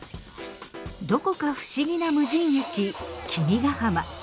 どこか不思議な無人駅君ヶ浜。